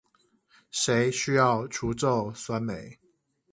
誰需要除皺酸梅